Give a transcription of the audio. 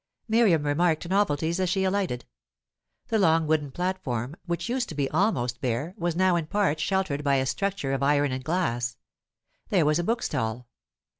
Miriam remarked novelties as she alighted. The long wooden platform, which used to be almost bare, was now in part sheltered by a structure of iron and glass. There was a bookstall.